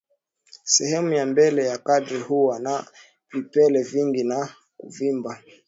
Sehemu ya mbele ya kidari huwa na vipele vingi na kuvimba